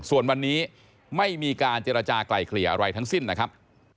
ส่วนวันนี้ไม่มีการเจรจากลายเกลี่ยอะไรทั้งสิ้นนะครับ